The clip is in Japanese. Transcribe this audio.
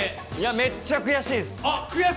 めっちゃ悔しいです。